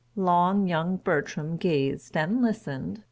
Long young Bertram gazed and listened.